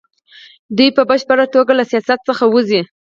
دوی په بشپړه توګه له سیاست څخه وځي.